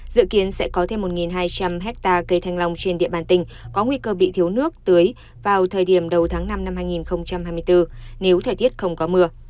dự kiến sẽ có thêm một hai trăm linh hectare cây thanh long trên địa bàn tỉnh có nguy cơ bị thiếu nước tưới vào thời điểm đầu tháng năm năm hai nghìn hai mươi bốn nếu thời tiết không có mưa